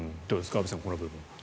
安部さんこの部分。